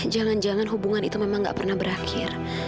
jangan jangan hubungan itu tidak akan berakhir